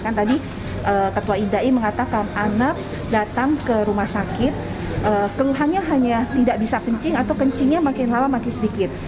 kan tadi ketua idai mengatakan anak datang ke rumah sakit keluhannya hanya tidak bisa kencing atau kencingnya makin lama makin sedikit